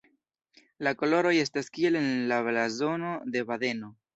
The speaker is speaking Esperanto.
La koloroj estas kiel en la blazono de Badeno.